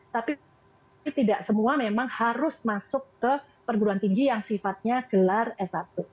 tapi tidak semua memang harus masuk ke perguruan tinggi yang sifatnya gelar s satu